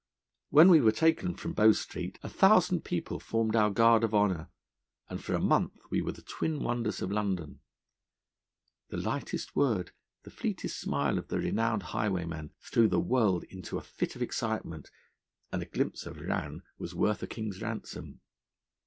When we were taken from Bow Street a thousand people formed our guard of honour, and for a month we were the twin wonders of London. The lightest word, the fleetest smile of the renowned highwayman, threw the world into a fit of excitement, and a glimpse of Rann was worth a king's ransom.